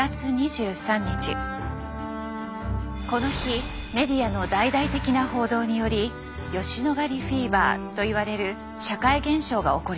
この日メディアの大々的な報道により「吉野ヶ里フィーバー」といわれる社会現象が起こります。